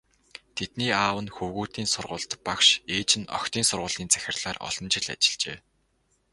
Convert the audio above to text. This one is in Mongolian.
Тэдний аав нь хөвгүүдийн сургуульд багш, ээж нь охидын сургуулийн захирлаар олон жил ажиллажээ.